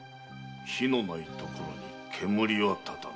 火のないところに煙は立たぬ。